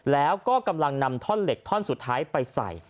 แล้วก็กำลังนำท่อนเหล็กท่อนสุดท้ายไปใส่